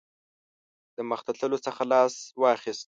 د مخته تللو څخه لاس واخیست.